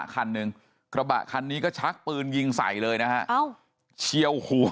คันหนึ่งกระบะคันนี้ก็ชักปืนยิงใส่เลยนะฮะเชี่ยวหัว